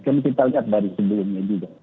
kan kita lihat dari sebelumnya juga